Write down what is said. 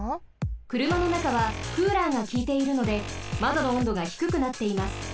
くるまのなかはクーラーがきいているのでまどの温度がひくくなっています。